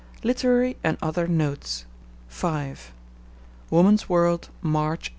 LITERARY AND OTHER NOTES V (Woman's World, March 1888.)